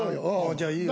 じゃあいいよ。